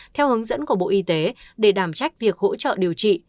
theo hướng dẫn của bộ y tế để đảm trách việc hỗ trợ điều trị